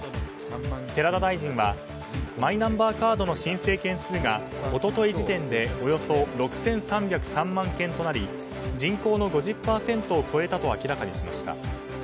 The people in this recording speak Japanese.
寺田大臣はマイナンバーカードの申請件数が一昨日時点でおよそ６３０３万件となり人口の５０％を超えたと明らかにしました。